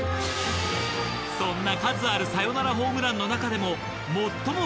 そんな数あるサヨナラホームランの中でも。